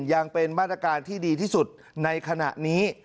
ยังเป็นมาตรการที่ดีที่สุดในขณะนี้